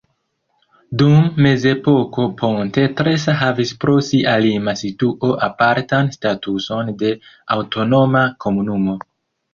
Dum mezepoko Ponte Tresa havis pro sia lima situo apartan statuson de aŭtonoma komunumo.